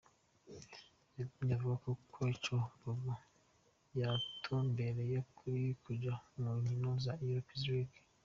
Yagumye avuga koi co bobo batumbereye ari kuja mu nkino za Europa League.